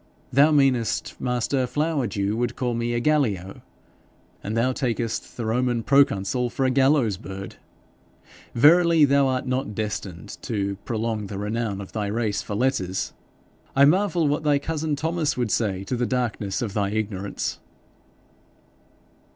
'Thou meanest master Flowerdew would call me a Gallio, and thou takest the Roman proconsul for a gallows bird! Verily thou art not destined to prolong the renown of thy race for letters. I marvel what thy cousin Thomas would say to the darkness of thy ignorance.'